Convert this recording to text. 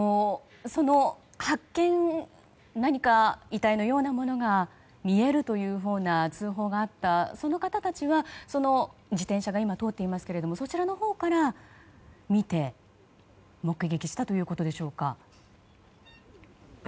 遺体のようなものが見えるというような通報があったその方たちは、自転車が今通っていますがそちらのほうから見て目撃したということですか。